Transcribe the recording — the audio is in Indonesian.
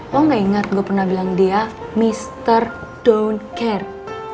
lo gak ingat gue pernah bilang dia mr down care